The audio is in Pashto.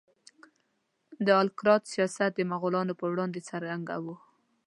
د آل کرت سیاست د مغولانو په وړاندې څرنګه و؟